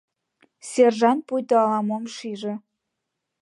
Сержант пуйто ала-мом шиже.